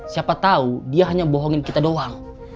siapa tahu dia hanya bohongin kita doang